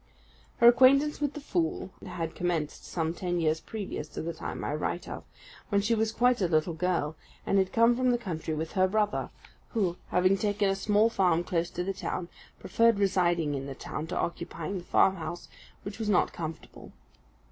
Her acquaintance with the fool had commenced some ten years previous to the time I write of, when she was quite a little girl, and had come from the country with her brother, who, having taken a small farm close to the town, preferred residing in the town to occupying the farmhouse, which was not comfortable.